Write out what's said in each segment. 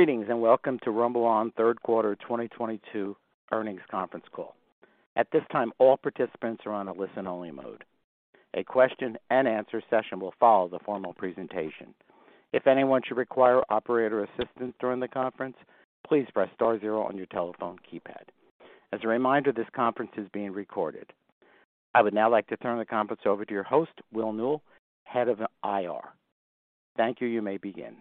Greetings, and welcome to RumbleOn third quarter 2022 earnings conference call. At this time, all participants are on a listen-only mode. A question and answer session will follow the formal presentation. If anyone should require operator assistance during the conference, please press star zero on your telephone keypad. As a reminder, this conference is being recorded. I would now like to turn the conference over to your host, Will Newell, Head of IR. Thank you. You may begin.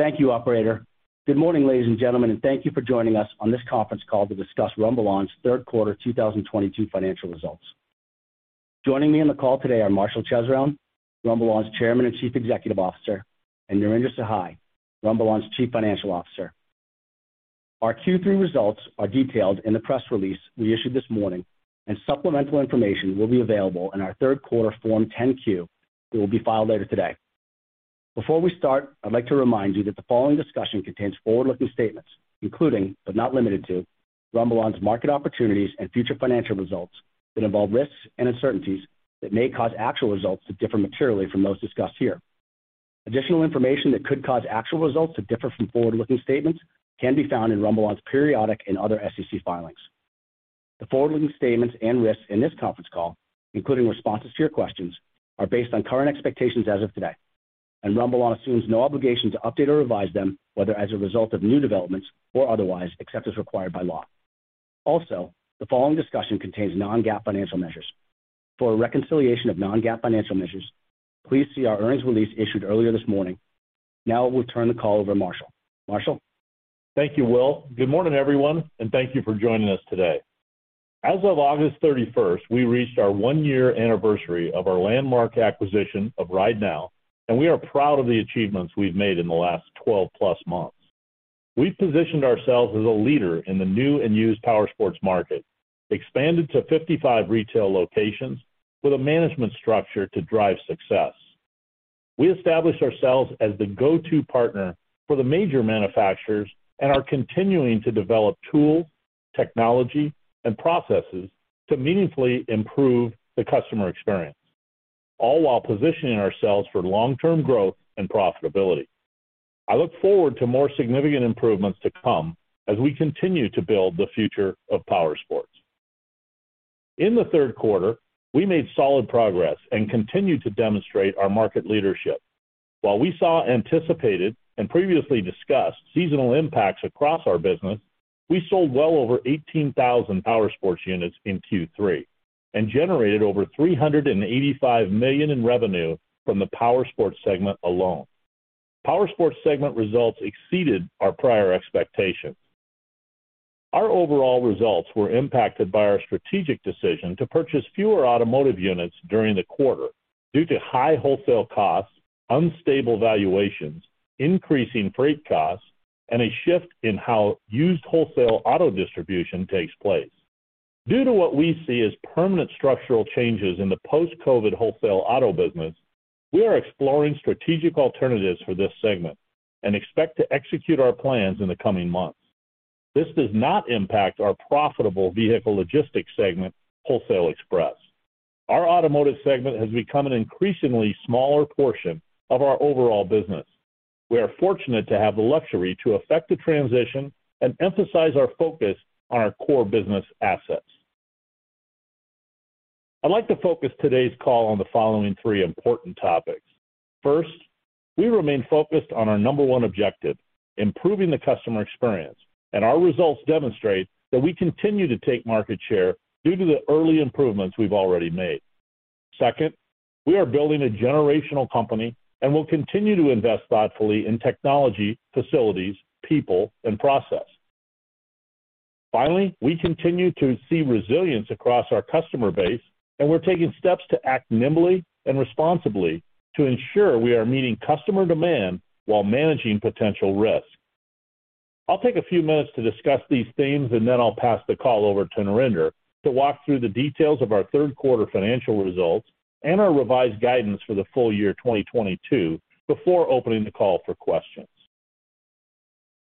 Thank you, operator. Good morning, ladies and gentlemen, and thank you for joining us on this conference call to discuss RumbleOn's third quarter 2022 financial results. Joining me on the call today are Marshall Chesrown, RumbleOn's Chairman and Chief Executive Officer, and Narinder Sahai, RumbleOn's Chief Financial Officer. Our Q3 results are detailed in the press release we issued this morning and supplemental information will be available in our third quarter Form 10-Q that will be filed later today. Before we start, I'd like to remind you that the following discussion contains forward-looking statements, including, but not limited to, RumbleOn's market opportunities and future financial results that involve risks and uncertainties that may cause actual results to differ materially from those discussed here. Additional information that could cause actual results to differ from forward-looking statements can be found in RumbleOn's periodic and other SEC filings. The forward-looking statements and risks in this conference call, including responses to your questions, are based on current expectations as of today, and RumbleOn assumes no obligation to update or revise them, whether as a result of new developments or otherwise, except as required by law. Also, the following discussion contains non-GAAP financial measures. For a reconciliation of non-GAAP financial measures, please see our earnings release issued earlier this morning. Now I will turn the call over to Marshall. Marshall? Thank you, Will. Good morning, everyone, and thank you for joining us today. As of 31st August, we reached our one year anniversary of our landmark acquisition of RideNow, and we are proud of the achievements we've made in the last 12+ months. We've positioned ourselves as a leader in the new and used powersports market, expanded to 55 retail locations with a management structure to drive success. We established ourselves as the go-to partner for the major manufacturers and are continuing to develop tools, technology, and processes to meaningfully improve the customer experience, all while positioning ourselves for long-term growth and profitability. I look forward to more significant improvements to come as we continue to build the future of powersports. In the third quarter, we made solid progress and continued to demonstrate our market leadership. While we saw anticipated and previously discussed seasonal impacts across our business, we sold well over 18,000 powersports units in Q3 and generated over $385 million in revenue from the powersports segment alone. Powersports segment results exceeded our prior expectations. Our overall results were impacted by our strategic decision to purchase fewer automotive units during the quarter due to high wholesale costs, unstable valuations, increasing freight costs, and a shift in how used wholesale auto distribution takes place. Due to what we see as permanent structural changes in the post-COVID wholesale auto business, we are exploring strategic alternatives for this segment and expect to execute our plans in the coming months. This does not impact our profitable vehicle logistics segment, Wholesale Express. Our automotive segment has become an increasingly smaller portion of our overall business. We are fortunate to have the luxury to effect a transition and emphasize our focus on our core business assets. I'd like to focus today's call on the following three important topics. First, we remain focused on our number one objective, improving the customer experience, and our results demonstrate that we continue to take market share due to the early improvements we've already made. Second, we are building a generational company and will continue to invest thoughtfully in technology, facilities, people, and process. Finally, we continue to see resilience across our customer base, and we're taking steps to act nimbly and responsibly to ensure we are meeting customer demand while managing potential risk. I'll take a few minutes to discuss these themes, and then I'll pass the call over to Narinder to walk through the details of our third quarter financial results and our revised guidance for the full year 2022 before opening the call for questions.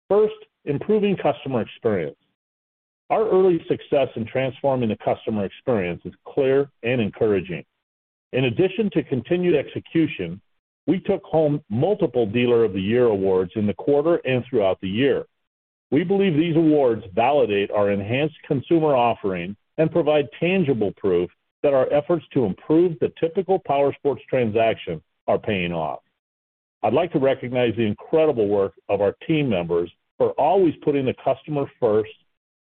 First, improving customer experience. Our early success in transforming the customer experience is clear and encouraging. In addition to continued execution, we took home multiple Dealer of the Year awards in the quarter and throughout the year. We believe these awards validate our enhanced consumer offering and provide tangible proof that our efforts to improve the typical powersports transaction are paying off. I'd like to recognize the incredible work of our team members for always putting the customer first,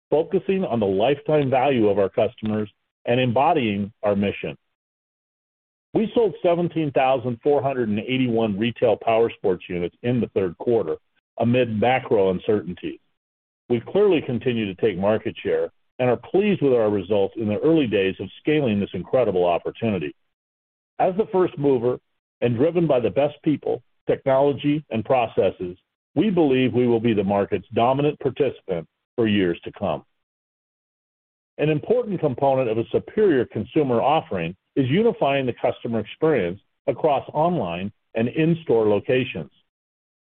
focusing on the lifetime value of our customers, and embodying our mission. We sold 17,481 retail powersports units in the third quarter amid macro uncertainty. We've clearly continued to take market share and are pleased with our results in the early days of scaling this incredible opportunity. As the first mover and driven by the best people, technology, and processes, we believe we will be the market's dominant participant for years to come. An important component of a superior consumer offering is unifying the customer experience across online and in-store locations.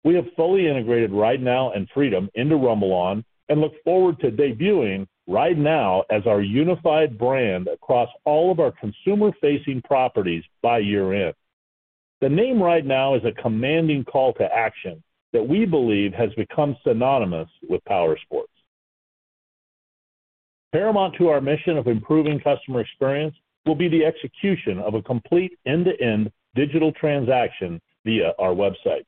We have fully integrated RideNow and Freedom into RumbleOn and look forward to debuting RideNow as our unified brand across all of our consumer-facing properties by year-end. The name RideNow is a commanding call to action that we believe has become synonymous with powersports. Paramount to our mission of improving customer experience will be the execution of a complete end-to-end digital transaction via our websites.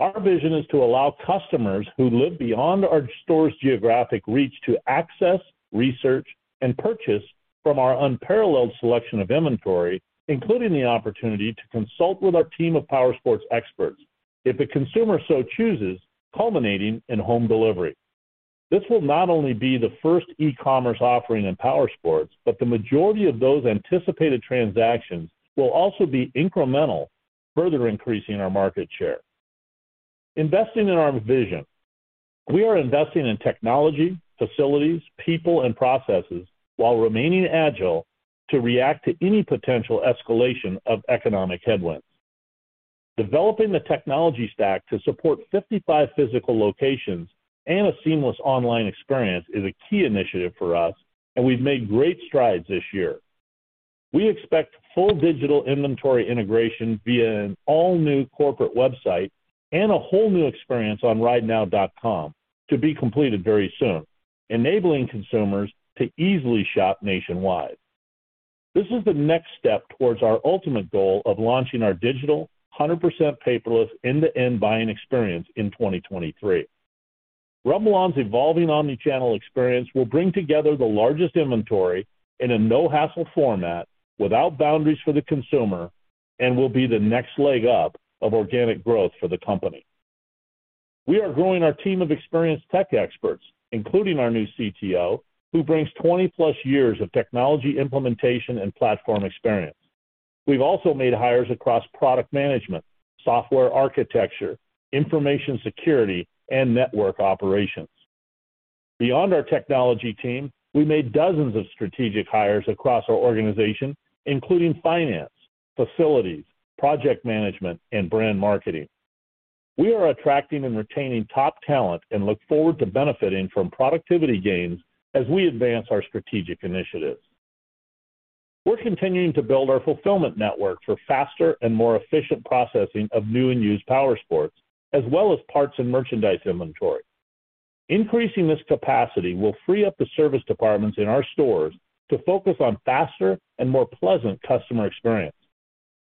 Our vision is to allow customers who live beyond our store's geographic reach to access, research, and purchase from our unparalleled selection of inventory, including the opportunity to consult with our team of powersports experts if the consumer so chooses, culminating in home delivery. This will not only be the first e-commerce offering in powersports, but the majority of those anticipated transactions will also be incremental, further increasing our market share. Investing in our vision. We are investing in technology, facilities, people, and processes while remaining agile to react to any potential escalation of economic headwinds. Developing the technology stack to support 55 physical locations and a seamless online experience is a key initiative for us, and we've made great strides this year. We expect full digital inventory integration via an all-new corporate website and a whole new experience on ridenow.com to be completed very soon, enabling consumers to easily shop nationwide. This is the next step towards our ultimate goal of launching our digital, 100% paperless end-to-end buying experience in 2023. RumbleOn's evolving omni-channel experience will bring together the largest inventory in a no-hassle format without boundaries for the consumer and will be the next leg up of organic growth for the company. We are growing our team of experienced tech experts, including our new CTO, who brings 20+ years of technology implementation and platform experience. We've also made hires across product management, software architecture, information security, and network operations. Beyond our technology team, we made dozens of strategic hires across our organization, including finance, facilities, project management, and brand marketing. We are attracting and retaining top talent and look forward to benefiting from productivity gains as we advance our strategic initiatives. We're continuing to build our fulfillment network for faster and more efficient processing of new and used powersports, as well as parts and merchandise inventory. Increasing this capacity will free up the service departments in our stores to focus on faster and more pleasant customer experience.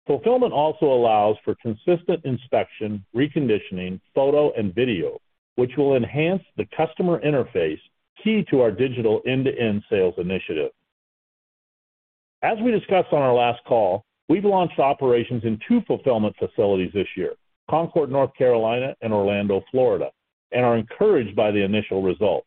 Fulfillment also allows for consistent inspection, reconditioning, photo, and video, which will enhance the customer interface key to our digital end-to-end sales initiative. As we discussed on our last call, we've launched operations in two fulfillment facilities this year, Concord, North Carolina, and Orlando, Florida, and are encouraged by the initial results.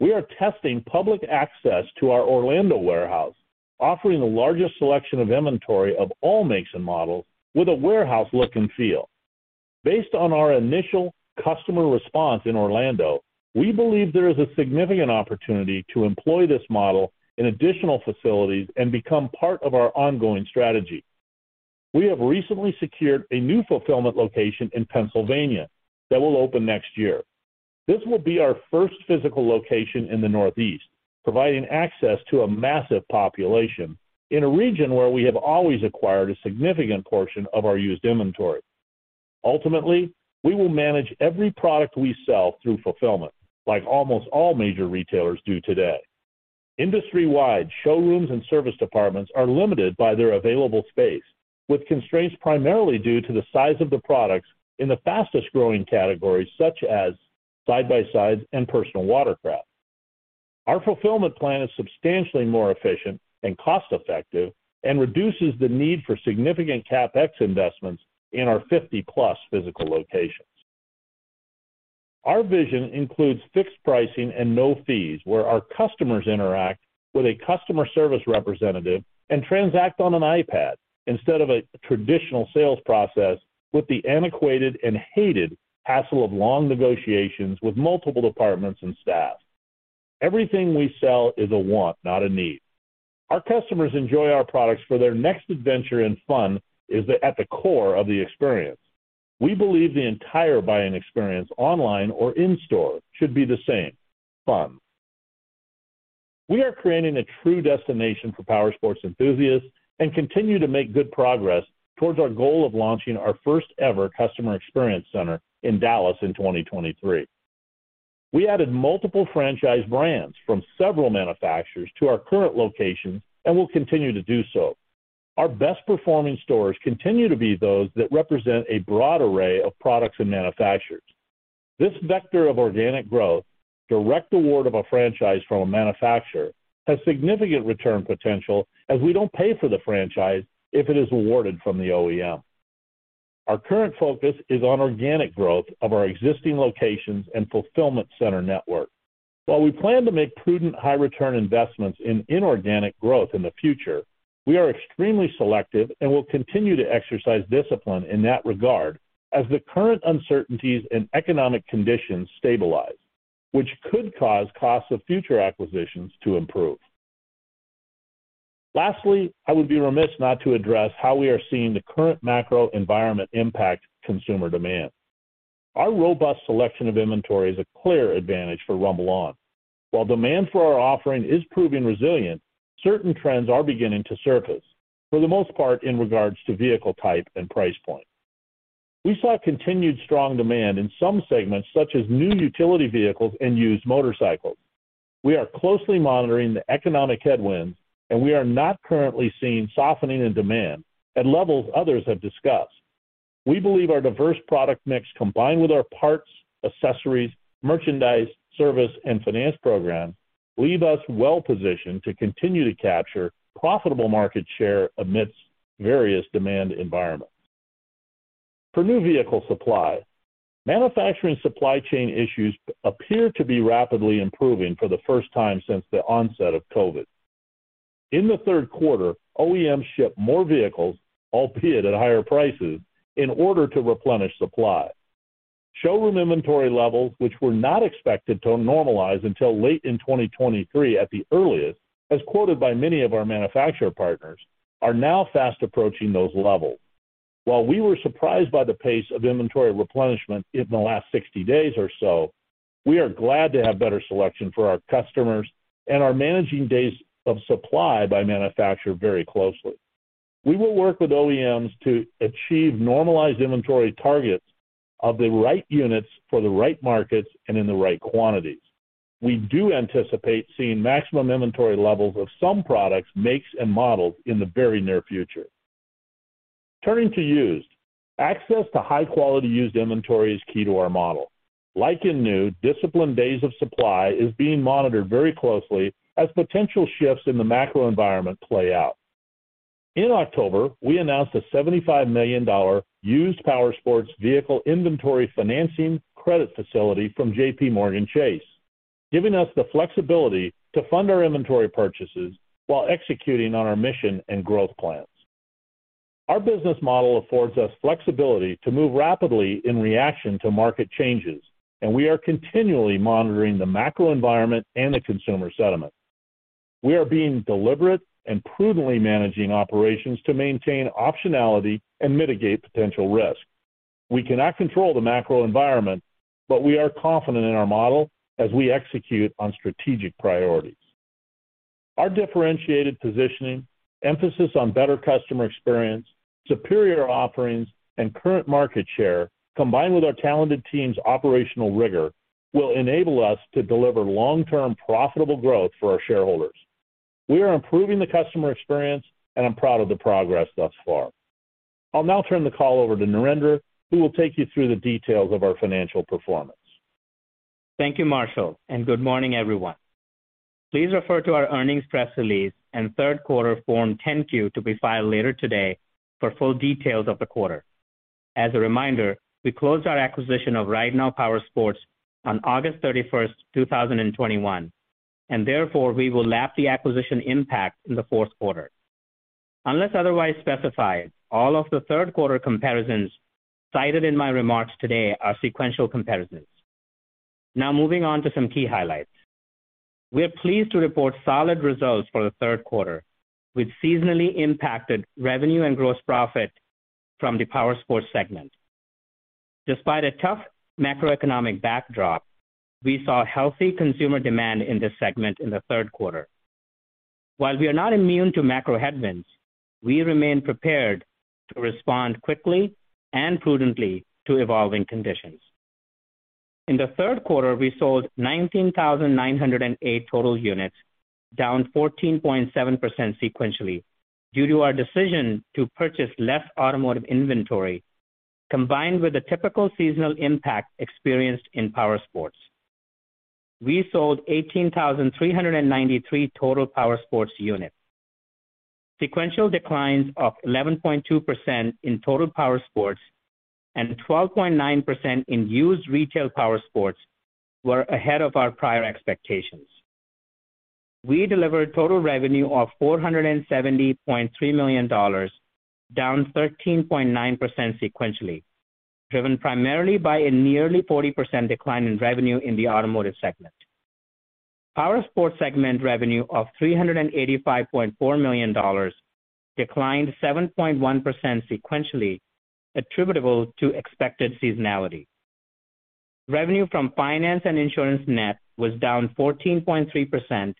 We are testing public access to our Orlando warehouse, offering the largest selection of inventory of all makes and models with a warehouse look and feel. Based on our initial customer response in Orlando, we believe there is a significant opportunity to employ this model in additional facilities and become part of our ongoing strategy. We have recently secured a new fulfillment location in Pennsylvania that will open next year. This will be our first physical location in the Northeast, providing access to a massive population in a region where we have always acquired a significant portion of our used inventory. Ultimately, we will manage every product we sell through fulfillment, like almost all major retailers do today. Industry-wide showrooms and service departments are limited by their available space, with constraints primarily due to the size of the products in the fastest-growing categories such as side-by-sides and personal watercraft. Our fulfillment plan is substantially more efficient and cost-effective and reduces the need for significant CapEx investments in our 50+ physical locations. Our vision includes fixed pricing and no fees where our customers interact with a customer service representative and transact on an iPad instead of a traditional sales process with the antiquated and hated hassle of long negotiations with multiple departments and staff. Everything we sell is a want, not a need. Our customers enjoy our products for their next adventure and fun is at the core of the experience. We believe the entire buying experience online or in-store should be the same, fun. We are creating a true destination for powersports enthusiasts and continue to make good progress towards our goal of launching our first ever customer experience center in Dallas in 2023. We added multiple franchise brands from several manufacturers to our current locations and will continue to do so. Our best performing stores continue to be those that represent a broad array of products and manufacturers. This vector of organic growth, direct award of a franchise from a manufacturer, has significant return potential as we don't pay for the franchise if it is awarded from the OEM. Our current focus is on organic growth of our existing locations and fulfillment center network. While we plan to make prudent high return investments in inorganic growth in the future, we are extremely selective and will continue to exercise discipline in that regard as the current uncertainties in economic conditions stabilize, which could cause costs of future acquisitions to improve. Lastly, I would be remiss not to address how we are seeing the current macro environment impact consumer demand. Our robust selection of inventory is a clear advantage for RumbleOn. While demand for our offering is proving resilient, certain trends are beginning to surface, for the most part in regards to vehicle type and price point. We saw continued strong demand in some segments such as new utility vehicles and used motorcycles. We are closely monitoring the economic headwinds, and we are not currently seeing softening in demand at levels others have discussed. We believe our diverse product mix, combined with our parts, accessories, merchandise, service, and finance program, leave us well positioned to continue to capture profitable market share amidst various demand environments. For new vehicle supply, manufacturing supply chain issues appear to be rapidly improving for the first time since the onset of COVID. In the third quarter, OEMs shipped more vehicles, albeit at higher prices, in order to replenish supply. Showroom inventory levels, which were not expected to normalize until late in 2023 at the earliest, as quoted by many of our manufacturer partners, are now fast approaching those levels. While we were surprised by the pace of inventory replenishment in the last 60 days or so, we are glad to have better selection for our customers and are managing days of supply by manufacturer very closely. We will work with OEMs to achieve normalized inventory targets of the right units for the right markets and in the right quantities. We do anticipate seeing maximum inventory levels of some products, makes, and models in the very near future. Turning to used, access to high-quality used inventory is key to our model. Like in new, disciplined days of supply is being monitored very closely as potential shifts in the macro environment play out. In October, we announced a $75 million used powersports vehicle inventory financing credit facility from JPMorgan Chase, giving us the flexibility to fund our inventory purchases while executing on our mission and growth plans. Our business model affords us flexibility to move rapidly in reaction to market changes, and we are continually monitoring the macro environment and the consumer sentiment. We are being deliberate and prudently managing operations to maintain optionality and mitigate potential risk. We cannot control the macro environment, but we are confident in our model as we execute on strategic priorities. Our differentiated positioning, emphasis on better customer experience, superior offerings, and current market share, combined with our talented team's operational rigor, will enable us to deliver long-term profitable growth for our shareholders. We are improving the customer experience, and I'm proud of the progress thus far. I'll now turn the call over to Narinder, who will take you through the details of our financial performance. Thank you, Marshall, and good morning, everyone. Please refer to our earnings press release and third quarter Form 10-Q to be filed later today for full details of the quarter. As a reminder, we closed our acquisition of RideNow Powersports on 31st August 2021, and therefore, we will lap the acquisition impact in the fourth quarter. Unless otherwise specified, all of the third quarter comparisons cited in my remarks today are sequential comparisons. Now moving on to some key highlights. We're pleased to report solid results for the third quarter, with seasonally impacted revenue and gross profit from the Powersports segment. Despite a tough macroeconomic backdrop, we saw healthy consumer demand in this segment in the third quarter. While we are not immune to macro headwinds, we remain prepared to respond quickly and prudently to evolving conditions. In the third quarter, we sold 19,908 total units, down 14.7% sequentially due to our decision to purchase less automotive inventory combined with the typical seasonal impact experienced in Powersports. We sold 18,393 total Powersports units. Sequential declines of 11.2% in total Powersports and 12.9% in used retail Powersports were ahead of our prior expectations. We delivered total revenue of $470.3 million, down 13.9% sequentially, driven primarily by a nearly 40% decline in revenue in the Automotive segment. Powersports segment revenue of $385.4 million declined 7.1% sequentially attributable to expected seasonality. Revenue from finance and insurance net was down 14.3%,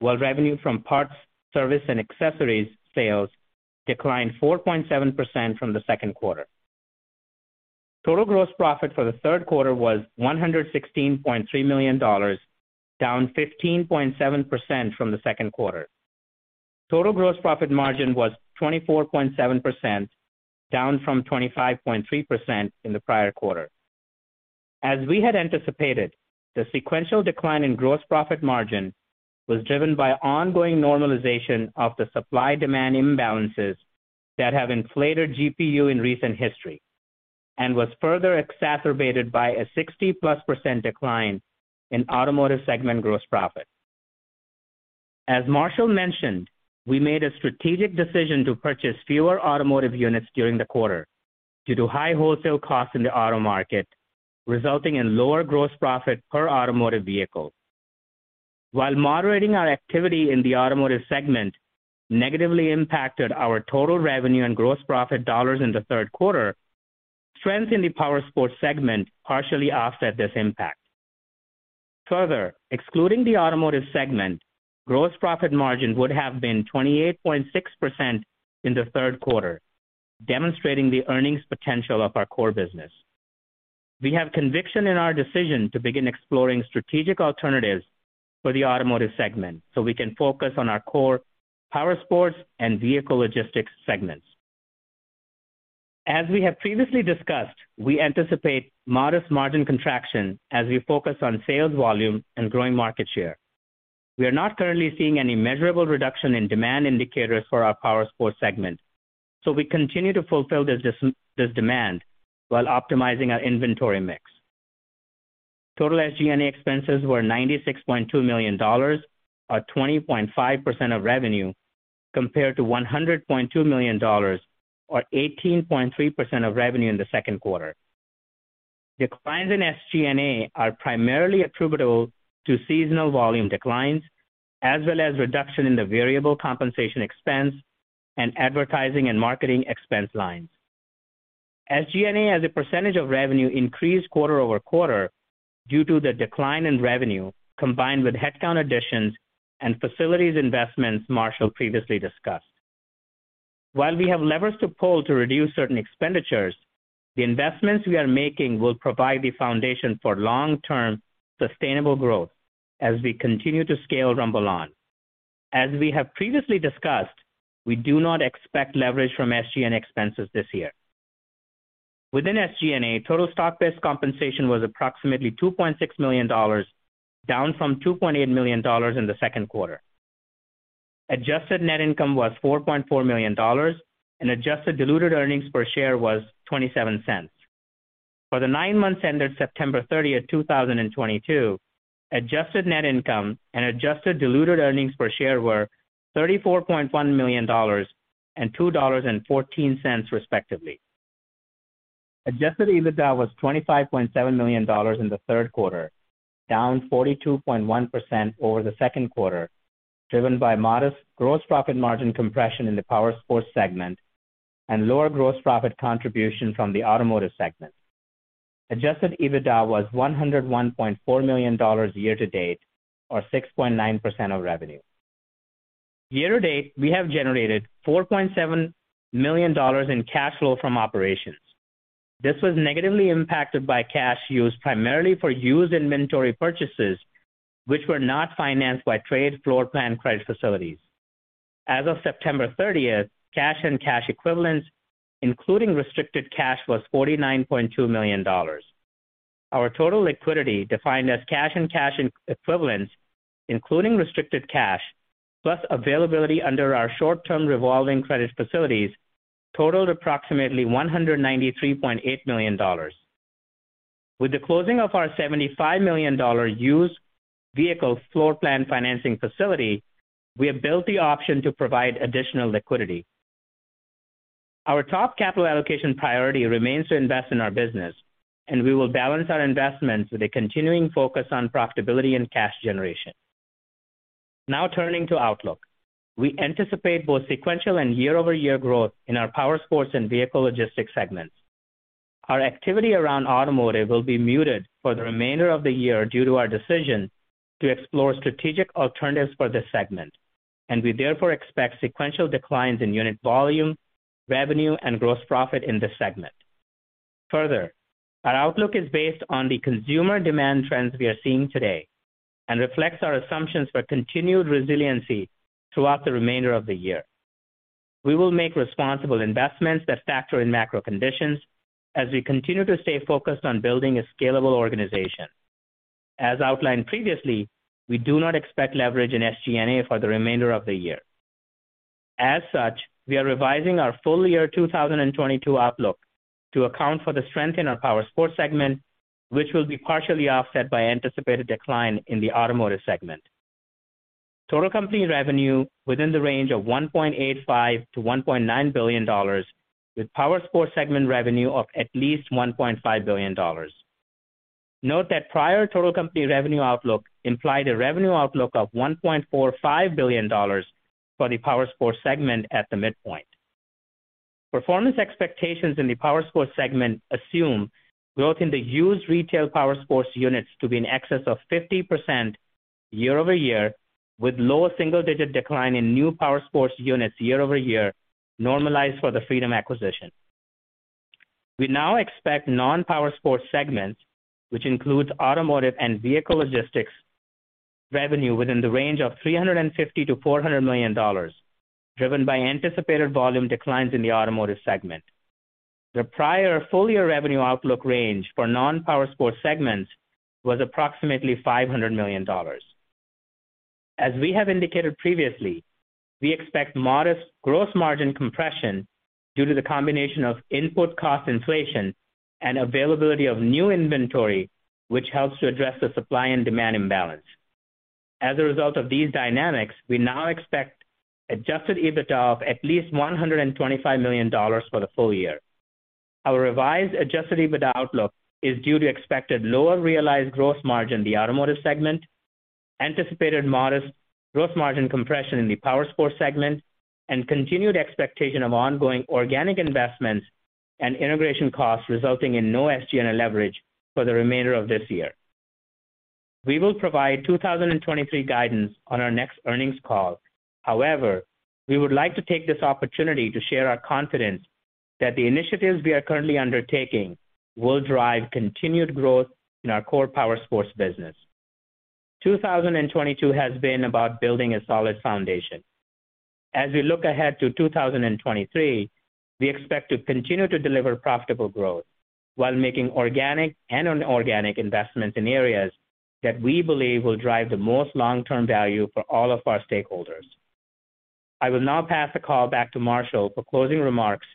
while revenue from parts, service, and accessories sales declined 4.7% from the second quarter. Total gross profit for the third quarter was $116.3 million, down 15.7% from the second quarter. Total gross profit margin was 24.7%, down from 25.3% in the prior quarter. As we had anticipated, the sequential decline in gross profit margin was driven by ongoing normalization of the supply-demand imbalances that have inflated GPU in recent history and was further exacerbated by a 60+% decline in Automotive segment gross profit. As Marshall mentioned, we made a strategic decision to purchase fewer automotive units during the quarter due to high wholesale costs in the auto market, resulting in lower gross profit per automotive vehicle. While moderating our activity in the Automotive segment negatively impacted our total revenue and gross profit dollars in the third quarter, trends in the Powersports segment partially offset this impact. Further, excluding the automotive segment, gross profit margin would have been 28.6% in the third quarter, demonstrating the earnings potential of our core business. We have conviction in our decision to begin exploring strategic alternatives for the automotive segment so we can focus on our core powersports and vehicle logistics segments. As we have previously discussed, we anticipate modest margin contraction as we focus on sales volume and growing market share. We are not currently seeing any measurable reduction in demand indicators for our powersports segment, so we continue to fulfill this demand while optimizing our inventory mix. Total SG&A expenses were $96.2 million, or 20.5% of revenue, compared to $100.2 million or 18.3% of revenue in the second quarter. Declines in SG&A are primarily attributable to seasonal volume declines as well as reduction in the variable compensation expense and advertising and marketing expense lines. SG&A as a percentage of revenue increased quarter-over-quarter due to the decline in revenue combined with headcount additions and facilities investments Marshall previously discussed. While we have levers to pull to reduce certain expenditures, the investments we are making will provide the foundation for long-term sustainable growth as we continue to scale RumbleOn. As we have previously discussed, we do not expect leverage from SG&A expenses this year. Within SG&A, total stock-based compensation was approximately $2.6 million, down from $2.8 million in the second quarter. Adjusted net income was $4.4 million and adjusted diluted earnings per share was $0.27. For the nine months ended September 30, 2022, adjusted net income and adjusted diluted earnings per share were $34.1 million and $2.14, respectively. Adjusted EBITDA was $25.7 million in the third quarter, down 42.1% over the second quarter, driven by modest gross profit margin compression in the powersports segment and lower gross profit contribution from the automotive segment. Adjusted EBITDA was $101.4 million year to date, or 6.9% of revenue. Year to date, we have generated $4.7 million in cash flow from operations. This was negatively impacted by cash used primarily for used inventory purchases, which were not financed by trade floor plan credit facilities. As of 30th September, cash and cash equivalents, including restricted cash, was $49.2 million. Our total liquidity, defined as cash and cash equivalents, including restricted cash plus availability under our short-term revolving credit facilities totaled approximately $193.8 million. With the closing of our $75 million used vehicle floor plan financing facility, we have built the option to provide additional liquidity. Our top capital allocation priority remains to invest in our business, and we will balance our investments with a continuing focus on profitability and cash generation. Now turning to outlook. We anticipate both sequential and year-over-year growth in our powersports and vehicle logistics segments. Our activity around automotive will be muted for the remainder of the year due to our decision to explore strategic alternatives for this segment, and we therefore expect sequential declines in unit volume, revenue, and gross profit in this segment. Further, our outlook is based on the consumer demand trends we are seeing today and reflects our assumptions for continued resiliency throughout the remainder of the year. We will make responsible investments that factor in macro conditions as we continue to stay focused on building a scalable organization. As outlined previously, we do not expect leverage in SG&A for the remainder of the year. As such, we are revising our full year 2022 outlook to account for the strength in our powersports segment, which will be partially offset by anticipated decline in the automotive segment. Total company revenue within the range of $1.85 billion-$1.9 billion, with powersports segment revenue of at least $1.5 billion. Note that prior total company revenue outlook implied a revenue outlook of $1.45 billion for the powersports segment at the midpoint. Performance expectations in the powersports segment assume growth in the used retail powersports units to be in excess of 50% year-over-year, with low single-digit decline in new powersports units year-over-year normalized for the Freedom acquisition. We now expect non-powersports segments, which includes automotive and vehicle logistics revenue within the range of $350 million-$400 million, driven by anticipated volume declines in the automotive segment. The prior full year revenue outlook range for non-powersports segments was approximately $500 million. As we have indicated previously, we expect modest gross margin compression due to the combination of input cost inflation and availability of new inventory, which helps to address the supply and demand imbalance. As a result of these dynamics, we now expect adjusted EBITDA of at least $125 million for the full year. Our revised adjusted EBITDA outlook is due to expected lower realized gross margin in the automotive segment. Anticipated modest gross margin compression in the Powersports segment and continued expectation of ongoing organic investments and integration costs resulting in no SG&A leverage for the remainder of this year. We will provide 2023 guidance on our next earnings call. However, we would like to take this opportunity to share our confidence that the initiatives we are currently undertaking will drive continued growth in our core Powersports business. 2022 has been about building a solid foundation. As we look ahead to 2023, we expect to continue to deliver profitable growth while making organic and inorganic investments in areas that we believe will drive the most long-term value for all of our stakeholders. I will now pass the call back to Marshall for closing remarks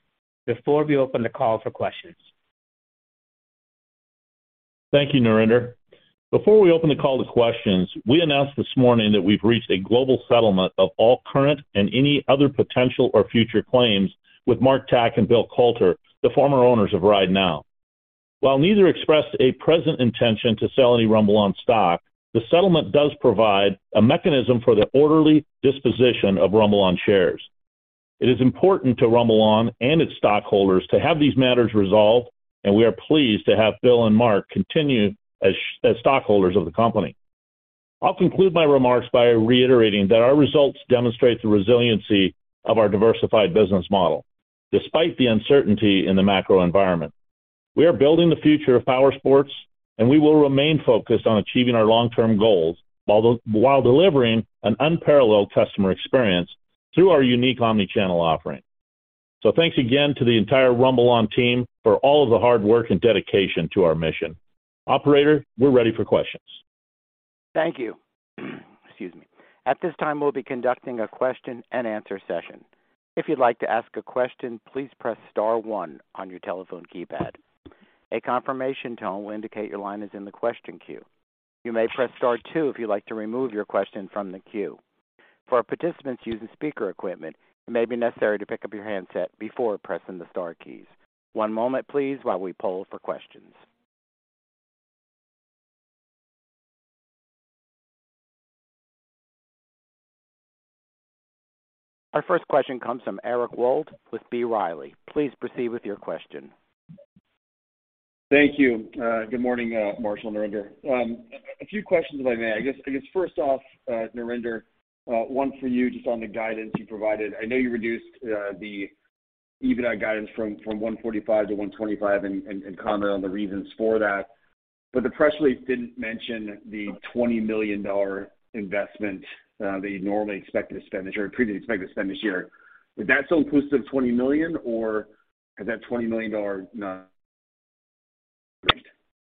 before we open the call for questions. Thank you, Narinder. Before we open the call to questions, we announced this morning that we've reached a global settlement of all current and any other potential or future claims with Mark Tkach and Bill Coulter, the former owners of RideNow. While neither expressed a present intention to sell any RumbleOn stock, the settlement does provide a mechanism for the orderly disposition of RumbleOn shares. It is important to RumbleOn and its stockholders to have these matters resolved, and we are pleased to have Bill and Mark continue as stockholders of the company. I'll conclude my remarks by reiterating that our results demonstrate the resiliency of our diversified business model despite the uncertainty in the macro environment. We are building the future of Powersports, and we will remain focused on achieving our long-term goals while delivering an unparalleled customer experience through our unique omni-channel offering. Thanks again to the entire RumbleOn team for all of the hard work and dedication to our mission. Operator, we're ready for questions. Thank you. Excuse me. At this time, we'll be conducting a question-and-answer session. If you'd like to ask a question, please press star one on your telephone keypad. A confirmation tone will indicate your line is in the question queue. You may press star two if you'd like to remove your question from the queue. For participants using speaker equipment, it may be necessary to pick up your handset before pressing the star keys. One moment, please, while we poll for questions. Our first question comes from Eric Wold with B. Riley Securities. Please proceed with your question. Thank you. Good morning, Marshall and Narinder. A few questions, if I may. I guess first off, Narinder, one for you, just on the guidance you provided. I know you reduced the EBITDA guidance from $145 million to $125 million and commented on the reasons for that, but the press release didn't mention the $20 million investment that you'd normally expected to spend this year or previously expected to spend this year. Is that still inclusive of $20 million, or is that $20 million dollars not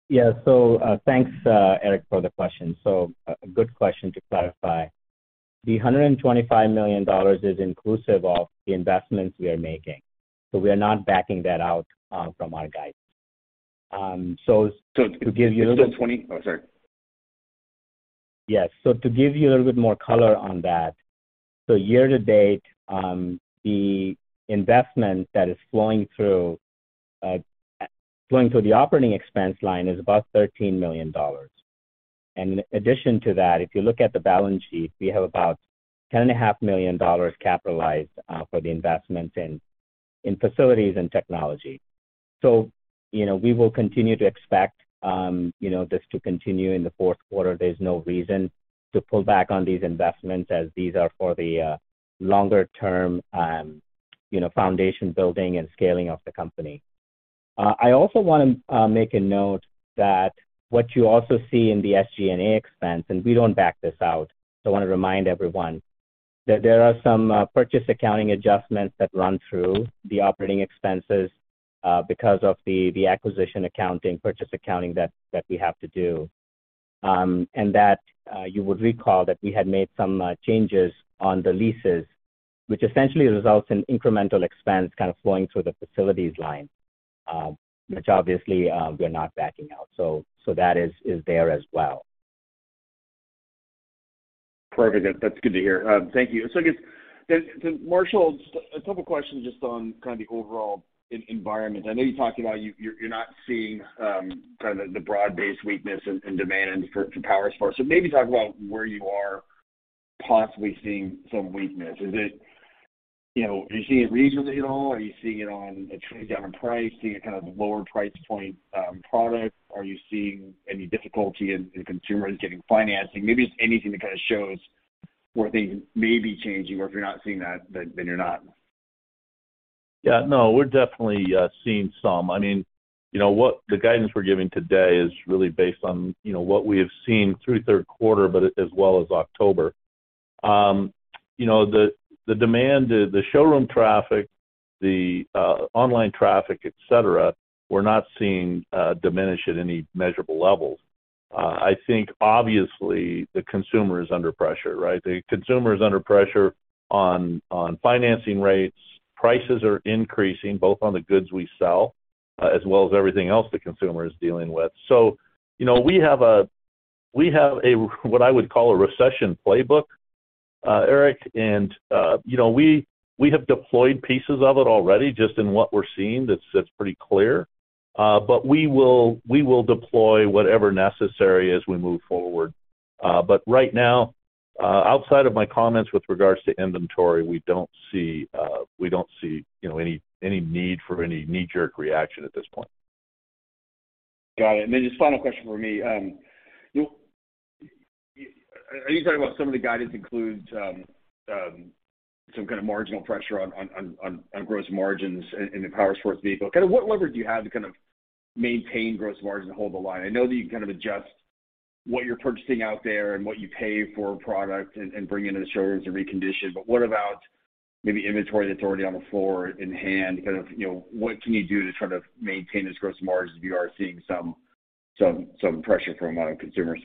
Yeah, thanks, Eric, for the question. Good question to clarify. The $125 million is inclusive of the investments we are making, so we are not backing that out from our guidance. To give you- It's still 20. Yes. To give you a little bit more color on that, so year to date, the investment that is flowing through the operating expense line is about $13 million. In addition to that, if you look at the balance sheet, we have about $10.5 million capitalized for the investments in facilities and technology. You know, we will continue to expect, you know, this to continue in the fourth quarter. There's no reason to pull back on these investments as these are for the longer term, you know, foundation building and scaling of the company. I also wanna make a note that what you also see in the SG&A expense, and we don't back this out, so I wanna remind everyone that there are some purchase accounting adjustments that run through the operating expenses, because of the acquisition accounting, purchase accounting that we have to do. That you would recall that we had made some changes on the leases, which essentially results in incremental expense kind of flowing through the facilities line, which obviously, we're not backing out. That is there as well. Perfect. That's good to hear. Thank you. I guess Marshall, a couple questions just on kind of the overall environment. I know you talked about you're not seeing kind of the broad-based weakness in demand for Powersports. Maybe talk about where you are possibly seeing some weakness. You know, are you seeing it regionally at all? Are you seeing it on a trade down in price? Seeing it kind of lower price point, product? Are you seeing any difficulty in consumers getting financing? Maybe just anything that kind of shows where things may be changing, or if you're not seeing that, then you're not. Yeah, no, we're definitely seeing some. I mean, you know, what the guidance we're giving today is really based on, you know, what we have seen through third quarter, but as well as October. You know, the demand, the showroom traffic, the online traffic, et cetera, we're not seeing diminish at any measurable levels. I think obviously the consumer is under pressure, right? The consumer is under pressure on financing rates. Prices are increasing both on the goods we sell, as well as everything else the consumer is dealing with. You know, we have a what I would call a recession playbook, Eric, and you know, we have deployed pieces of it already just in what we're seeing. That's pretty clear. But we will deploy whatever necessary as we move forward. Right now, outside of my comments with regards to inventory, we don't see any need for any knee-jerk reaction at this point. Got it. Just final question from me. Are you talking about some of the guidance includes some kind of marginal pressure on gross margins in the powersports vehicle? Kinda what leverage do you have to kind of maintain gross margin and hold the line? I know that you can kind of adjust what you're purchasing out there and what you pay for a product and bring into the showrooms and recondition, but what about maybe inventory that's already on the floor in hand? What can you do to try to maintain this gross margin if you are seeing some pressure from auto consumers?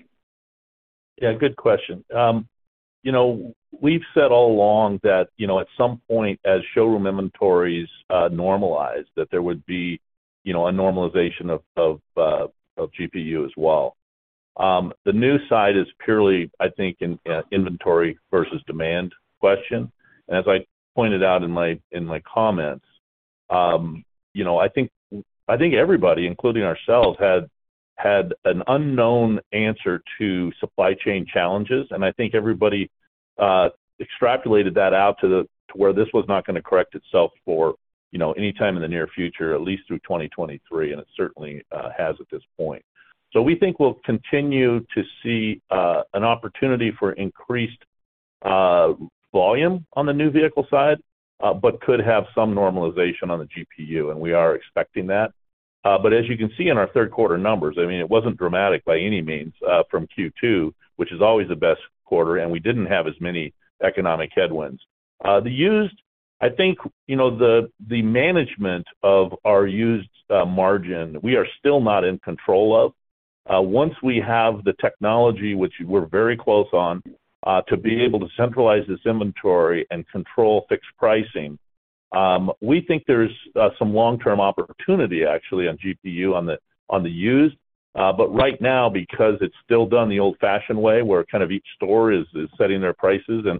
Yeah, good question. You know, we've said all along that, you know, at some point as showroom inventories normalize, that there would be, you know, a normalization of GPU as well. The new side is purely, I think an inventory versus demand question. As I pointed out in my comments, you know, I think everybody, including ourselves, had an unknown answer to supply chain challenges. I think everybody extrapolated that out to where this was not gonna correct itself for, you know, anytime in the near future, at least through 2023, and it certainly has at this point. We think we'll continue to see an opportunity for increased volume on the new vehicle side, but could have some normalization on the GPU, and we are expecting that. As you can see in our third quarter numbers, I mean, it wasn't dramatic by any means from Q2, which is always the best quarter, and we didn't have as many economic headwinds. The used, I think, you know, the management of our used margin, we are still not in control of. Once we have the technology, which we're very close on, to be able to centralize this inventory and control fixed pricing, we think there's some long-term opportunity actually on GPU on the used. But right now, because it's still done the old-fashioned way, where kind of each store is setting their prices, and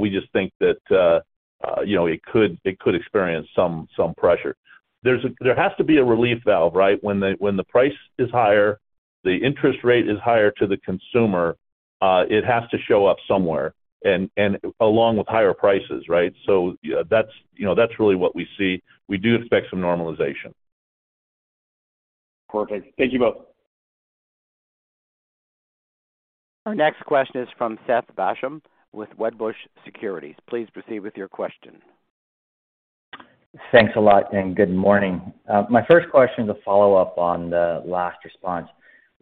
we just think that, you know, it could experience some pressure. There has to be a relief valve, right? When the price is higher, the interest rate is higher to the consumer, it has to show up somewhere and along with higher prices, right? That's, you know, that's really what we see. We do expect some normalization. Perfect. Thank you both. Our next question is from Seth Basham with Wedbush Securities. Please proceed with your question. Thanks a lot, and good morning. My first question is a follow-up on the last response.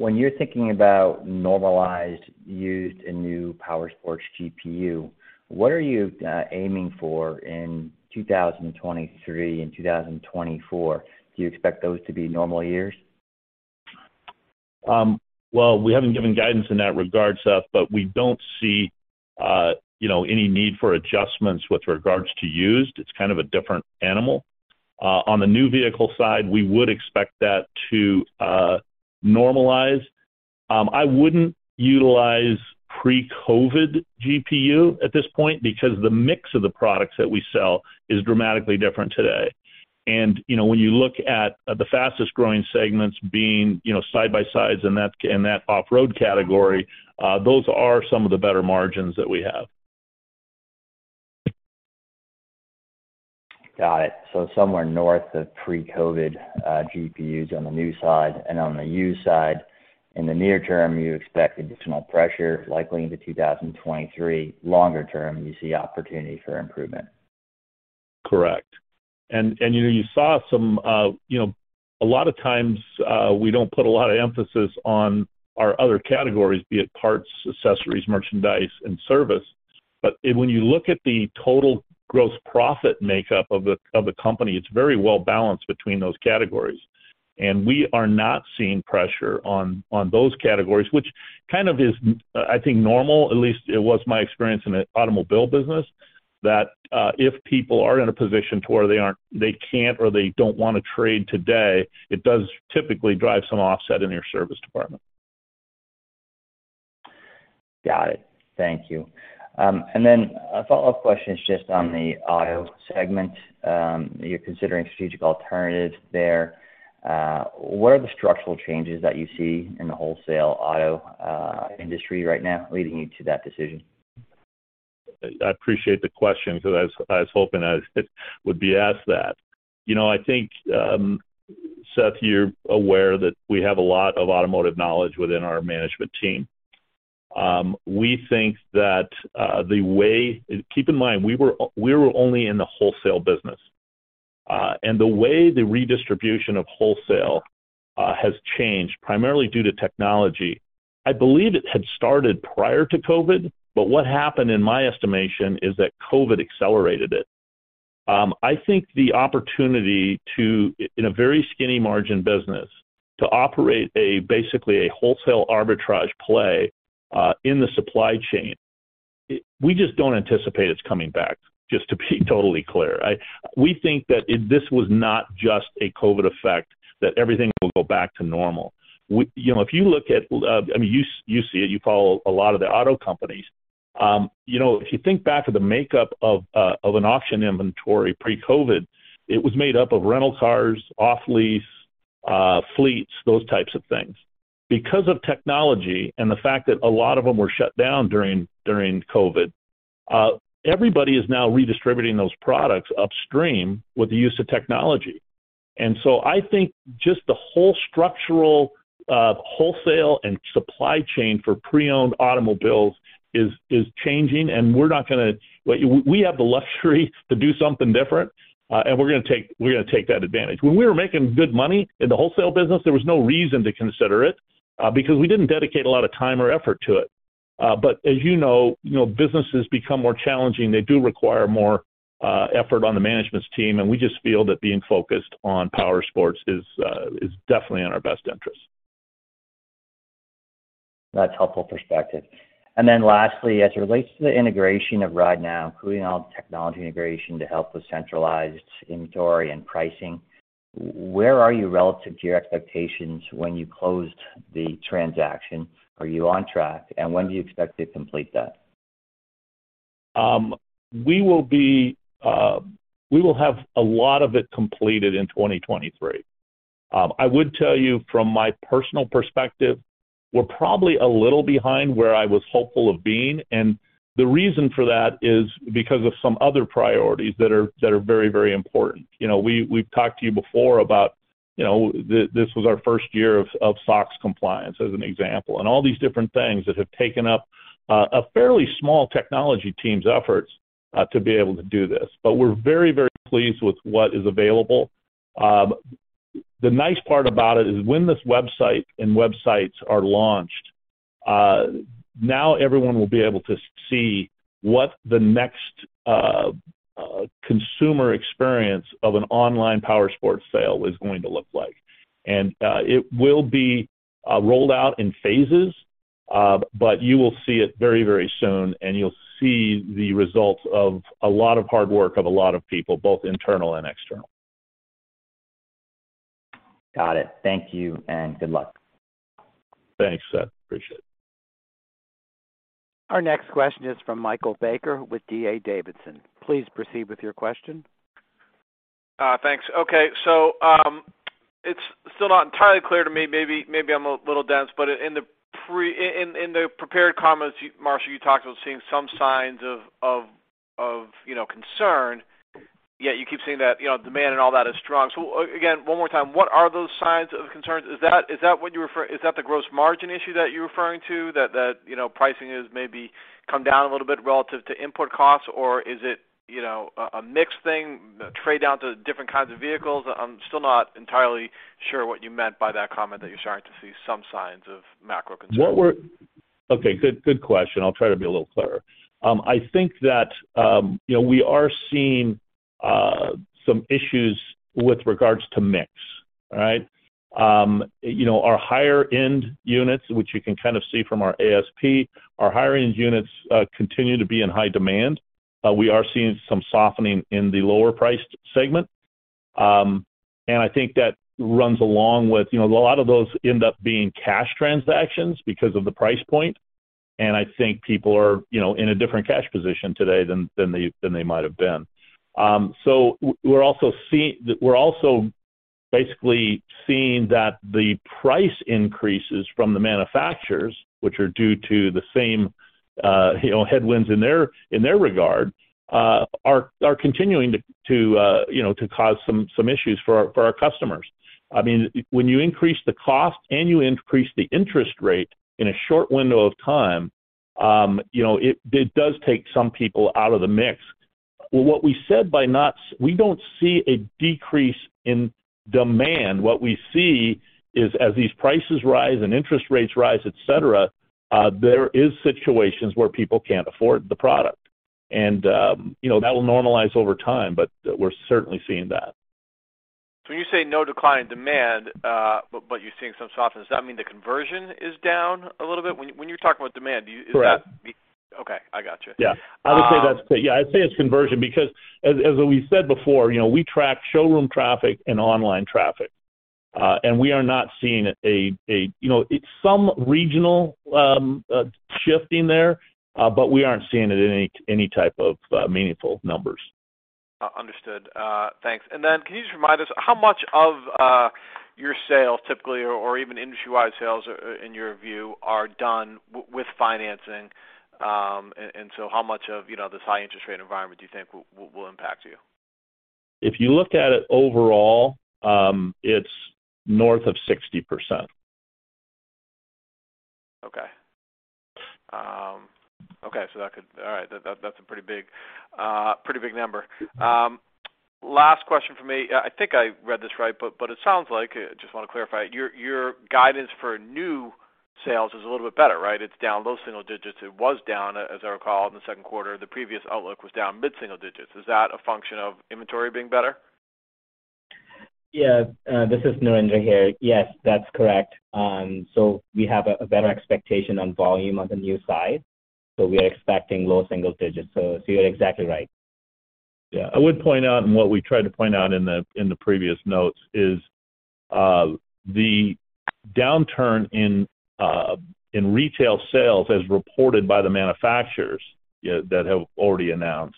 When you're thinking about normalized used and new powersports GPU, what are you aiming for in 2023 and 2024? Do you expect those to be normal years? Well, we haven't given guidance in that regard, Seth, but we don't see, you know, any need for adjustments with regards to used. It's kind of a different animal. On the new vehicle side, we would expect that to normalize. I wouldn't utilize pre-COVID GPU at this point because the mix of the products that we sell is dramatically different today. You know, when you look at the fastest-growing segments being, you know, side by sides and that off-road category, those are some of the better margins that we have. Got it. Somewhere north of pre-COVID, GPUs on the new side and on the used side. In the near term, you expect additional pressure likely into 2023. Longer term, you see opportunity for improvement. Correct. You know, you saw some, you know, a lot of times, we don't put a lot of emphasis on our other categories, be it parts, accessories, merchandise, and service. But when you look at the total gross profit makeup of the company, it's very well-balanced between those categories. We are not seeing pressure on those categories, which kind of is, I think, normal, at least it was my experience in the automobile business, that, if people are in a position where they can't, or they don't wanna trade today, it does typically drive some offset in your service department. Got it. Thank you. A follow-up question is just on the auto segment. You're considering strategic alternatives there. What are the structural changes that you see in the wholesale auto industry right now leading you to that decision? I appreciate the question because I was hoping I would be asked that. You know, I think, Seth, you're aware that we have a lot of automotive knowledge within our management team. We think that. Keep in mind, we were only in the wholesale business. The way the redistribution of wholesale has changed, primarily due to technology, I believe it had started prior to COVID, but what happened in my estimation is that COVID accelerated it. I think the opportunity to, in a very skinny margin business, to operate basically a wholesale arbitrage play in the supply chain, we just don't anticipate it's coming back, just to be totally clear. We think that this was not just a COVID effect, that everything will go back to normal. You know, if you look at, I mean, you see it, you follow a lot of the auto companies. You know, if you think back to the makeup of an auction inventory pre-COVID, it was made up of rental cars, off lease, fleets, those types of things. Because of technology and the fact that a lot of them were shut down during COVID, everybody is now redistributing those products upstream with the use of technology. I think just the whole structural wholesale and supply chain for pre-owned automobiles is changing, and we have the luxury to do something different, and we're gonna take that advantage. When we were making good money in the wholesale business, there was no reason to consider it, because we didn't dedicate a lot of time or effort to it. As you know, you know, businesses become more challenging. They do require more effort on the management team, and we just feel that being focused on powersports is definitely in our best interest. That's helpful perspective. Lastly, as it relates to the integration of RideNow, including all technology integration to help with centralized inventory and pricing, where are you relative to your expectations when you closed the transaction? Are you on track, and when do you expect to complete that? We will have a lot of it completed in 2023. I would tell you from my personal perspective, we're probably a little behind where I was hopeful of being, and the reason for that is because of some other priorities that are very, very important. You know, we've talked to you before about, you know, this was our first year of SOX compliance as an example. All these different things that have taken up a fairly small technology team's efforts to be able to do this. We're very, very pleased with what is available. The nice part about it is when this website and websites are launched, now everyone will be able to see what the next consumer experience of an online powersports sale is going to look like. It will be rolled out in phases, but you will see it very, very soon, and you'll see the results of a lot of hard work of a lot of people, both internal and external. Got it. Thank you, and good luck. Thanks, Seth. Appreciate it. Our next question is from Michael Baker with D.A. Davidson. Please proceed with your question. Thanks. Okay, it's still not entirely clear to me, maybe I'm a little dense, but in the prepared comments, Marshall, you talked about seeing some signs of, you know, concern, yet you keep saying that, you know, demand and all that is strong. Again, one more time, what are those signs of concerns? Is that the gross margin issue that you're referring to? That, you know, pricing has maybe come down a little bit relative to input costs? Or is it, you know, a mix thing, trade down to different kinds of vehicles? I'm still not entirely sure what you meant by that comment that you're starting to see some signs of macro concerns. Okay. Good question. I'll try to be a little clearer. I think that, you know, we are seeing some issues with regards to mix. All right. You know, our higher-end units, which you can kind of see from our ASP, our higher-end units continue to be in high demand. We are seeing some softening in the lower priced segment. I think that runs along with, you know, a lot of those end up being cash transactions because of the price point, and I think people are, you know, in a different cash position today than they might have been. We're also basically seeing that the price increases from the manufacturers, which are due to the same, you know, headwinds in their regard, are continuing to cause some issues for our customers. I mean, when you increase the cost and you increase the interest rate in a short window of time, you know, it does take some people out of the mix. Well, we don't see a decrease in demand. What we see is, as these prices rise and interest rates rise, et cetera, there is situations where people can't afford the product. You know, that will normalize over time, but we're certainly seeing that. When you say no decline in demand, but you're seeing some softness, does that mean the conversion is down a little bit? When you're talking about demand, is that- Correct. Okay. I got you. Yeah. Um- I would say, yeah, I'd say it's conversion because as we said before, you know, we track showroom traffic and online traffic, and we are not seeing any, you know. It's some regional shifting there, but we aren't seeing it in any type of meaningful numbers. Understood. Thanks. Then can you just remind us how much of your sales typically or even industry-wide sales in your view are done with financing? So how much of, you know, this high interest rate environment do you think will impact you? If you look at it overall, it's north of 60%. Okay. All right. That's a pretty big number. Last question from me. I think I read this right, but it sounds like, just want to clarify, your guidance for new sales is a little bit better, right? It's down low single digits. It was down, as I recall, in the second quarter. The previous outlook was down mid-single digits. Is that a function of inventory being better? Yeah. This is Narinder here. Yes, that's correct. We have a better expectation on volume on the new side. We are expecting low single digits. You're exactly right. I would point out what we tried to point out in the previous notes is the downturn in retail sales as reported by the manufacturers that have already announced.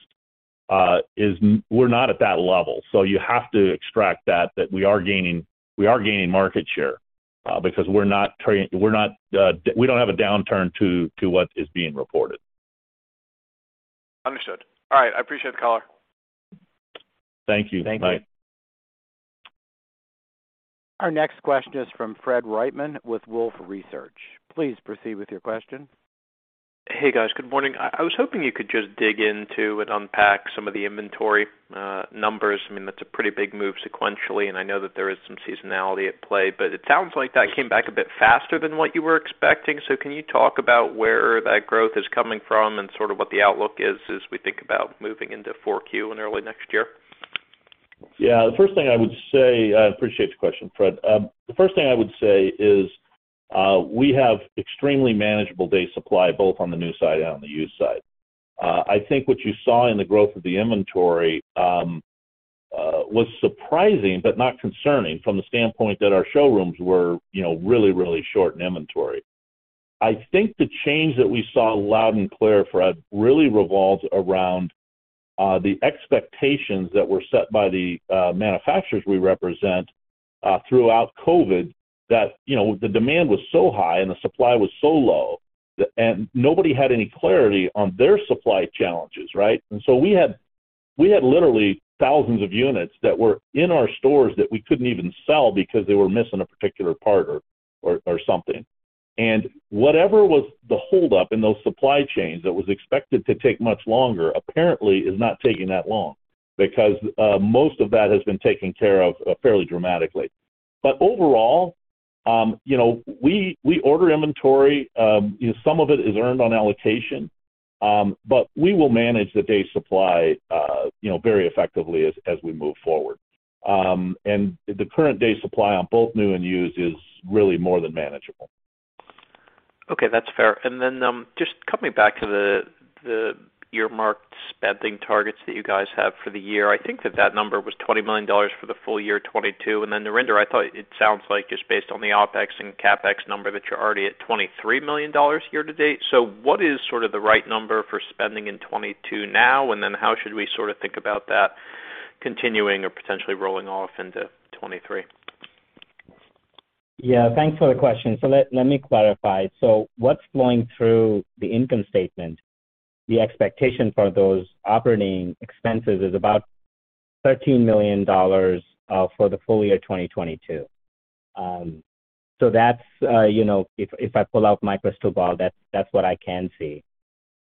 We're not at that level. You have to extract that we are gaining market share because we don't have a downturn to what is being reported. Understood. All right, I appreciate the call. Thank you. Bye. Thank you. Our next question is from Frederick Wightman with Wolfe Research. Please proceed with your question. Hey, guys. Good morning. I was hoping you could just dig into and unpack some of the inventory numbers. I mean, that's a pretty big move sequentially, and I know that there is some seasonality at play. It sounds like that came back a bit faster than what you were expecting, so can you talk about where that growth is coming from and sort of what the outlook is as we think about moving into 4Q and early next year? Yeah. I appreciate the question, Fred. The first thing I would say is, we have extremely manageable day supply, both on the new side and on the used side. I think what you saw in the growth of the inventory was surprising but not concerning from the standpoint that our showrooms were, you know, really, really short in inventory. I think the change that we saw loud and clear, Fred, really revolves around the expectations that were set by the manufacturers we represent throughout COVID that, you know, the demand was so high and the supply was so low, and nobody had any clarity on their supply challenges, right? We had literally thousands of units that were in our stores that we couldn't even sell because they were missing a particular part or something. Whatever was the hold-up in those supply chains that was expected to take much longer, apparently is not taking that long because most of that has been taken care of fairly dramatically. Overall, you know, we order inventory, some of it is earned on allocation, but we will manage the day supply, you know, very effectively as we move forward. The current day supply on both new and used is really more than manageable. Okay, that's fair. Just coming back to the earmarked spending targets that you guys have for the year, I think that number was $20 million for the full year 2022. Narinder, I thought it sounds like just based on the OpEx and CapEx number, that you're already at $23 million year to date. What is sort of the right number for spending in 2022 now, and then how should we sort of think about that continuing or potentially rolling off into 2023? Yeah. Thanks for the question. Let me clarify. What's flowing through the income statement, the expectation for those operating expenses is about $13 million for the full year 2022. That's you know, if I pull out my crystal ball, that's what I can see.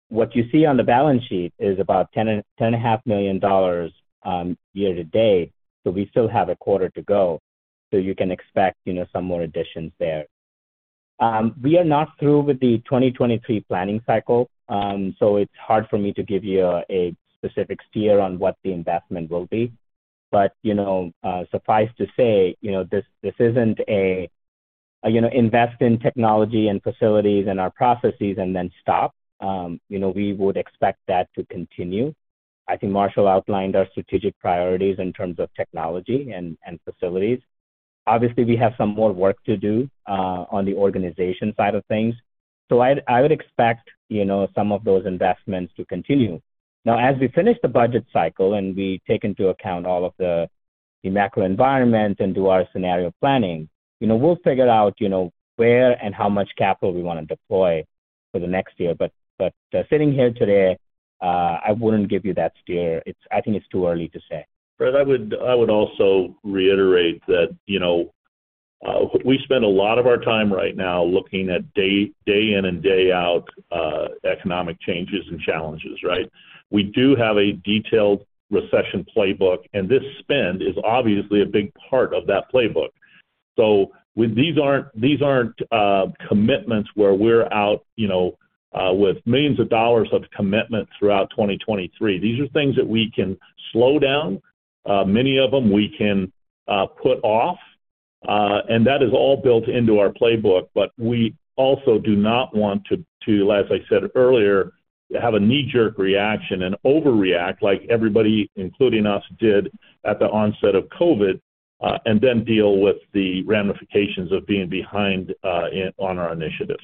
What you see on the balance sheet is about $10.5 million year to date, so we still have a quarter to go. You can expect you know, some more additions there. We are not through with the 2023 planning cycle, so it's hard for me to give you a specific steer on what the investment will be. You know, suffice to say, you know, this isn't a you know, invest in technology and facilities and our processes and then stop. You know, we would expect that to continue. I think Marshall outlined our strategic priorities in terms of technology and facilities. Obviously, we have some more work to do on the organization side of things. I would expect, you know, some of those investments to continue. Now, as we finish the budget cycle and we take into account all of the macro environment and do our scenario planning, you know, we'll figure out, you know, where and how much capital we wanna deploy for the next year. Sitting here today, I wouldn't give you that steer. I think it's too early to say. Fred, I would also reiterate that, you know, we spend a lot of our time right now looking at day in and day out economic changes and challenges, right? We do have a detailed recession playbook, and this spend is obviously a big part of that playbook. These aren't commitments where we're out, you know, with million dollars of commitments throughout 2023. These are things that we can slow down, many of them we can put off, and that is all built into our playbook. We also do not want to, as I said earlier, have a knee-jerk reaction and overreact like everybody, including us, did at the onset of COVID, and then deal with the ramifications of being behind on our initiatives.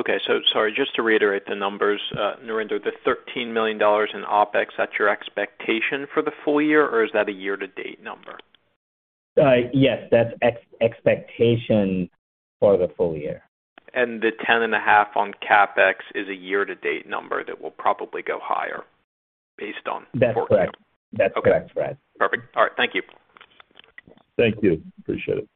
Okay. Sorry, just to reiterate the numbers, Narinder, the $13 million in OpEx, that's your expectation for the full year, or is that a year-to-date number? Yes, that's the expectation for the full year. The $10.5 on CapEx is a year-to-date number that will probably go higher based on. That's correct. Okay. That's correct, Fred. Perfect. All right. Thank you. Thank you. Appreciate it.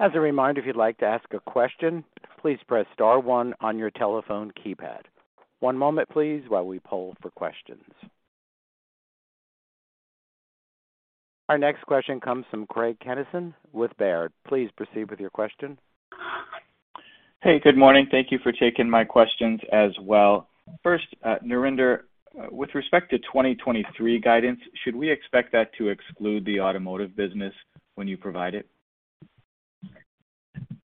As a reminder, if you'd like to ask a question, please press star one on your telephone keypad. One moment, please, while we poll for questions. Our next question comes from Craig Kennison with Baird. Please proceed with your question. Hey, good morning. Thank you for taking my questions as well. First, Narinder, with respect to 2023 guidance, should we expect that to exclude the automotive business when you provide it?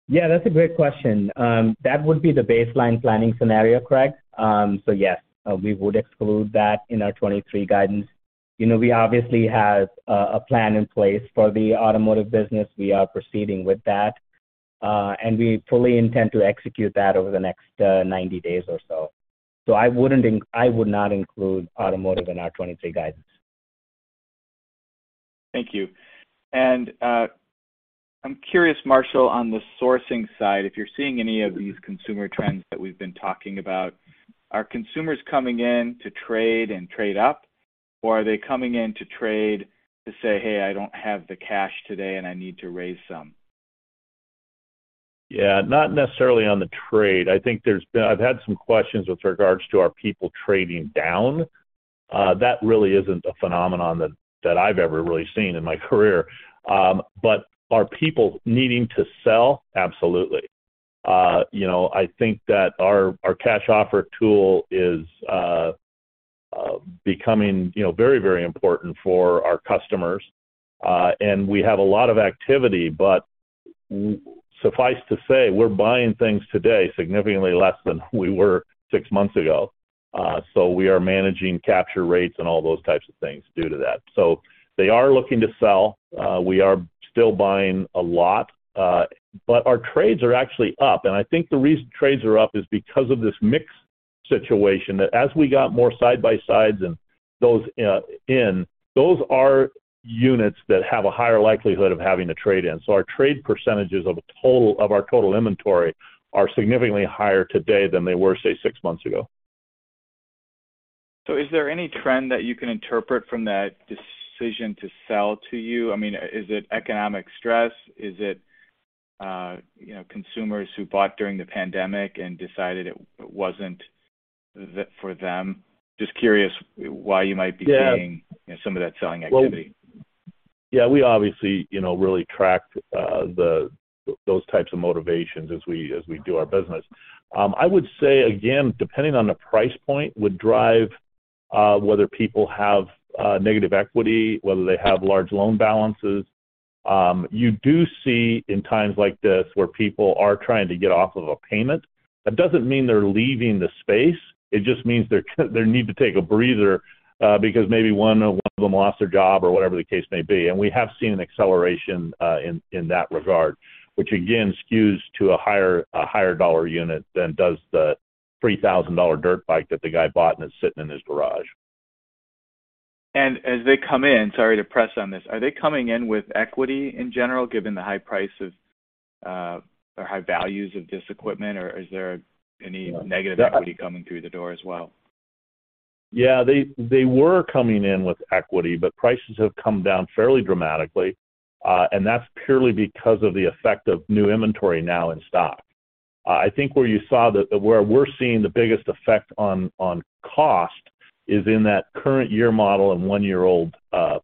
Yeah, that's a great question. That would be the baseline planning scenario, correct? So yes, we would exclude that in our 2023 guidance. You know, we obviously have a plan in place for the automotive business. We are proceeding with that, and we fully intend to execute that over the next 90 days or so. I would not include automotive in our 2023 guidance. Thank you. I'm curious, Marshall, on the sourcing side, if you're seeing any of these consumer trends that we've been talking about, are consumers coming in to trade and trade up, or are they coming in to trade to say, "Hey, I don't have the cash today and I need to raise some? Yeah. Not necessarily on the trade. I think there's been. I've had some questions with regards to our people trading down. That really isn't a phenomenon that I've ever really seen in my career. Are people needing to sell? Absolutely. You know, I think that our cash offer tool is becoming, you know, very, very important for our customers. We have a lot of activity, but suffice to say, we're buying things today significantly less than we were six months ago. We are managing capture rates and all those types of things due to that. They are looking to sell. We are still buying a lot, but our trades are actually up. I think the reason trades are up is because of this mix situation, that as we got more side-by-sides and those are units that have a higher likelihood of having a trade-in. Our trade percentages of our total inventory are significantly higher today than they were, say, six months ago. Is there any trend that you can interpret from that decision to sell to you? I mean, is it economic stress? Is it, you know, consumers who bought during the pandemic and decided it wasn't for them? Just curious why you might be- Yeah Seeing some of that selling activity. Well, yeah, we obviously, you know, really track the those types of motivations as we as we do our business. I would say, again, depending on the price point, would drive whether people have negative equity, whether they have large loan balances. You do see in times like this, where people are trying to get off of a payment. That doesn't mean they're leaving the space. It just means they're they need to take a breather because maybe one of them lost their job or whatever the case may be. We have seen an acceleration in that regard, which again skews to a higher dollar unit than does the $3,000 dirt bike that the guy bought and it's sitting in his garage. As they come in, sorry to press on this, are they coming in with equity in general, given the high price of or high values of this equipment, or is there any negative equity coming through the door as well? Yeah, they were coming in with equity, but prices have come down fairly dramatically, and that's purely because of the effect of new inventory now in stock. I think where we're seeing the biggest effect on cost is in that current year model and one-year-old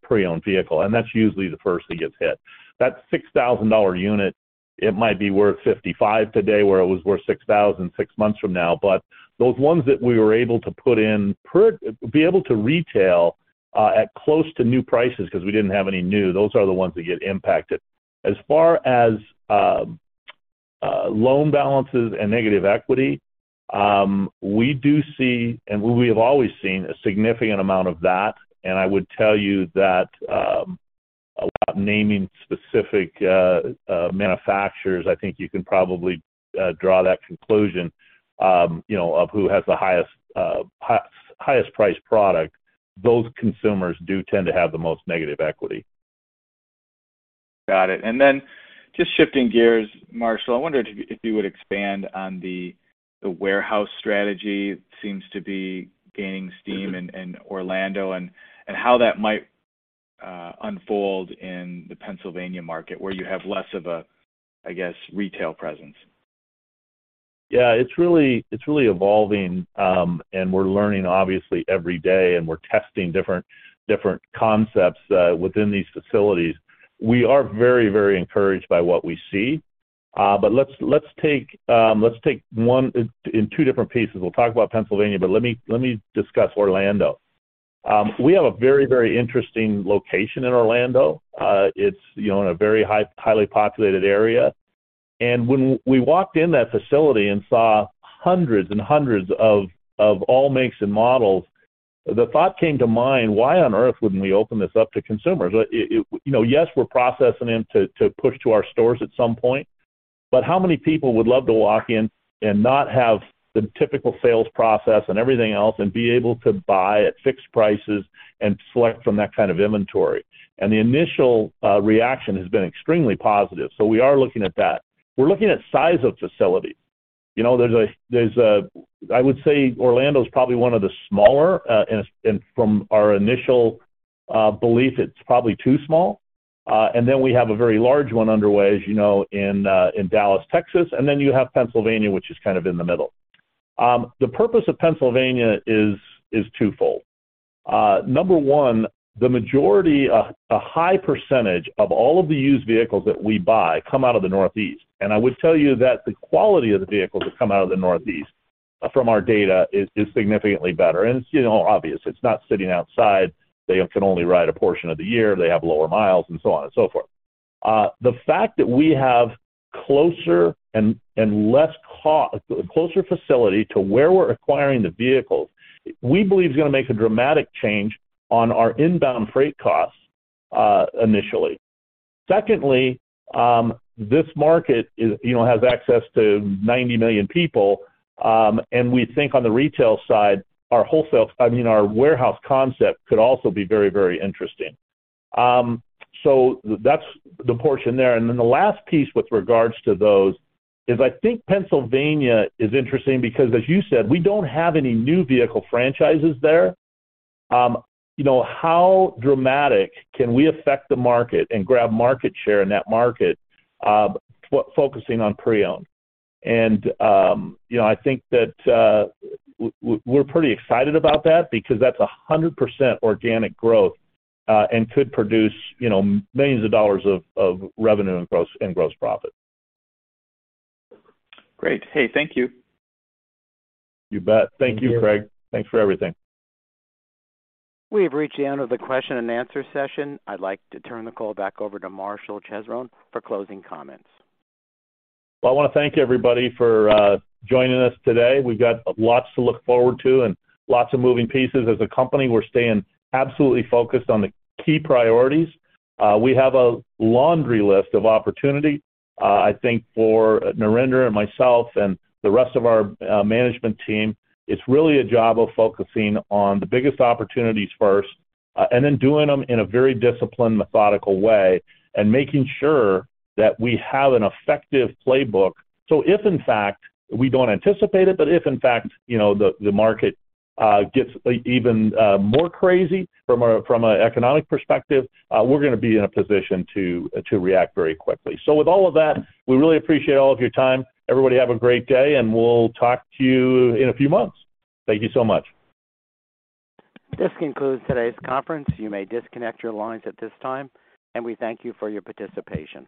pre-owned vehicle, and that's usually the first that gets hit. That $6,000 unit, it might be worth $5,500 today, whereas it was worth $6,000 six months ago. But those ones that we were able to retail at close to new prices because we didn't have any new, those are the ones that get impacted. As far as loan balances and negative equity, we do see, and we have always seen a significant amount of that. I would tell you that, without naming specific manufacturers, I think you can probably draw that conclusion, you know, of who has the highest priced product. Those consumers do tend to have the most negative equity. Got it. Just shifting gears, Marshall, I wonder if you would expand on the warehouse strategy seems to be gaining steam in Orlando and how that might unfold in the Pennsylvania market where you have less of a, I guess, retail presence. Yeah, it's really evolving, and we're learning obviously every day, and we're testing different concepts within these facilities. We are very encouraged by what we see. Let's take one in two different pieces. We'll talk about Pennsylvania, but let me discuss Orlando. We have a very interesting location in Orlando. It's, you know, in a very high, highly populated area. When we walked in that facility and saw hundreds and hundreds of all makes and models, the thought came to mind, "Why on earth wouldn't we open this up to consumers?" You know, yes, we're processing them to push to our stores at some point, but how many people would love to walk in and not have the typical sales process and everything else, and be able to buy at fixed prices and select from that kind of inventory? The initial reaction has been extremely positive. We are looking at that. We're looking at size of facilities. You know, there's a. I would say Orlando is probably one of the smaller, and from our initial belief, it's probably too small. Then we have a very large one underway, as you know, in Dallas, Texas. You have Pennsylvania, which is kind of in the middle. The purpose of Pennsylvania is twofold. Number one, the majority, a high percentage of all of the used vehicles that we buy come out of the Northeast. I would tell you that the quality of the vehicles that come out of the Northeast. From our data is significantly better. It's, you know, obvious. It's not sitting outside. They can only ride a portion of the year. They have lower miles and so on and so forth. The fact that we have a closer and less costly facility to where we're acquiring the vehicles, we believe is gonna make a dramatic change on our inbound freight costs, initially. Secondly, this market is, you know, has access to 90 million people, and we think on the retail side, I mean, our warehouse concept could also be very, very interesting. So that's the portion there. Then the last piece with regards to those is I think Pennsylvania is interesting because, as you said, we don't have any new vehicle franchises there. You know, how dramatic can we affect the market and grab market share in that market, focusing on pre-owned? You know, I think that we're pretty excited about that because that's 100% organic growth, and could produce, you know, millions of dollars of revenue and gross profit. Great. Hey, thank you. You bet. Thank you, Craig. Thanks for everything. We have reached the end of the question and answer session. I'd like to turn the call back over to Marshall Chesrown for closing comments. Well, I wanna thank everybody for joining us today. We've got lots to look forward to and lots of moving pieces. As a company, we're staying absolutely focused on the key priorities. We have a laundry list of opportunity. I think for Narinder and myself and the rest of our management team, it's really a job of focusing on the biggest opportunities first, and then doing them in a very disciplined, methodical way and making sure that we have an effective playbook. If in fact, we don't anticipate it, but if in fact, you know, the market gets even more crazy from an economic perspective, we're gonna be in a position to react very quickly. With all of that, we really appreciate all of your time. Everybody have a great day, and we'll talk to you in a few months. Thank you so much. This concludes today's conference. You may disconnect your lines at this time, and we thank you for your participation.